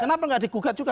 kenapa tidak digugat juga